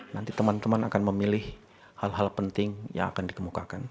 nanti teman teman akan memilih hal hal penting yang akan dikemukakan